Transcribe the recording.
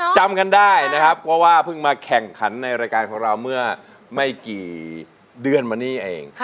จำกันได้นะครับเพราะว่าเพิ่งมาแข่งขันในรายการของเราเมื่อไม่กี่เดือนมานี่เอง